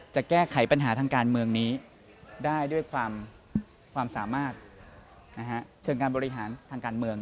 จะแก้ไขปัญหาทางการเมืองนี้ได้ด้วยความสามารถเชิงการบริหารทางการเมือง